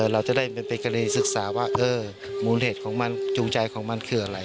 เราจะได้เป็นกรณีศึกษาว่ามูลเหตุของมันจูงใจของมันคืออะไร